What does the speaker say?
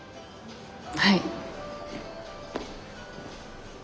はい。